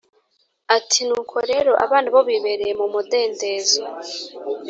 ati Nuko rero abana bo bibereye mu mudendezo